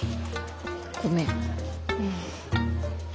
ごめん。